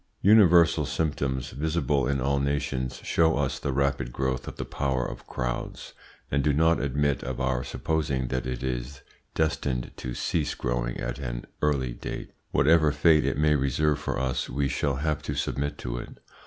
Universal symptoms, visible in all nations, show us the rapid growth of the power of crowds, and do not admit of our supposing that it is destined to cease growing at an early date. Whatever fate it may reserve for us, we shall have to submit to it.